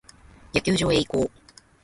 野球場へ移行。